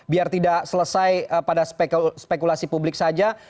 biar tidak selesai pada spekulasi publik saja